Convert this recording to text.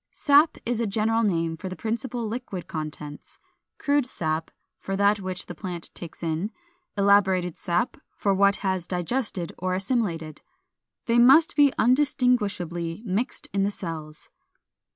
415. =Sap= is a general name for the principal liquid contents, Crude sap, for that which the plant takes in, Elaborated sap for what it has digested or assimilated. They must be undistinguishably mixed in the cells.